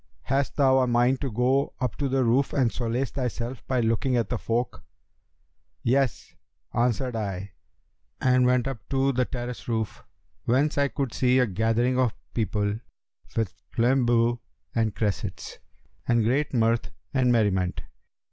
Hast thou a mind to go up to the roof and solace thyself by looking at the folk?' 'Yes,' answered I, and went up to the terrace roof,[FN#284] whence I could see a gathering of people with flambeaux and cressets, and great mirth and merriment.